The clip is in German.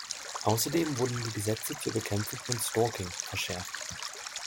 Außerdem wurden die Gesetze zur Bekämpfung von Stalking verschärft.